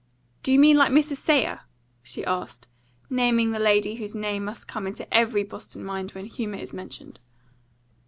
"Do you mean like Mrs. Sayre?" she asked, naming the lady whose name must come into every Boston mind when humour is mentioned.